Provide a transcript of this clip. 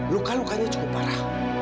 luka lukanya cukup parah